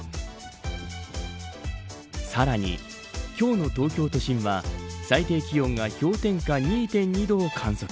さらに、今日の東京都心は最低気温が氷点下２．２度を観測。